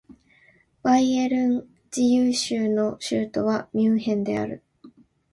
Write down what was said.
バイエルン自由州の州都はミュンヘンである